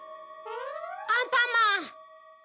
アンパンマン！